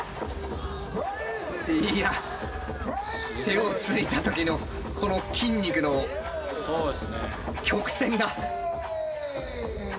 いや手をついた時のこの筋肉の曲線が。